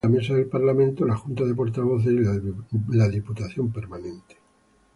Asimismo, preside la Mesa del Parlamento, la Junta de Portavoces y la Diputación Permanente.